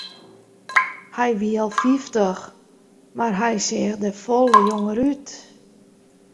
Hja wie al fyftich, mar hja seach der folle jonger út.